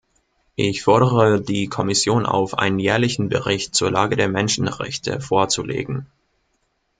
Ich fordere die Kommission auf, einen jährlichen Bericht zur Lage der Menschenrechte vorzulegen.